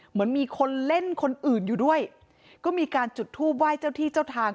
เหมือนมีคนเล่นคนอื่นอยู่ด้วยก็มีการจุดทูปไหว้เจ้าที่เจ้าทาง